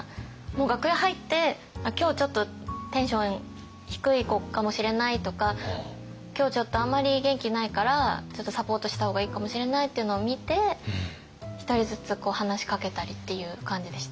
楽屋入って今日ちょっとテンション低い子かもしれないとか今日ちょっとあんまり元気ないからちょっとサポートした方がいいかもしれないっていうのを見てひとりずつ話しかけたりっていう感じでした。